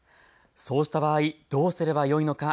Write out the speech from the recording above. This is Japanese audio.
そうした場合、どうすればよいののか。